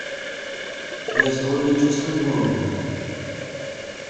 He has only just come home.